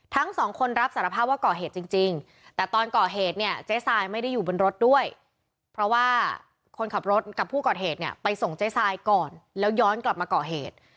ทั้งสองคนรับสารภาพว่าก่อเหตุจริงแต่ตอนก่อเหตุเนี่ยเจ๊ทรายไม่ได้อยู่บนรถด้วยเพราะว่าคนขับรถกับผู้ก่อเหตุเนี่ยไปส่งเจ๊ทรายก่อนแล้วย้อนกลับมาก่อเหตุ